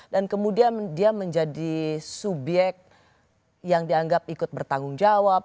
dan kemudian dia menjadi subyek yang dianggap ikut bertanggung jawab